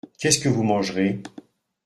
Qu’est-ce que vous mangerez ?